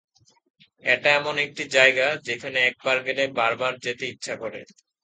এটা এমন একটি জায়গা, যেখানে একবার গেলে বারবার যেতে ইচ্ছা করে।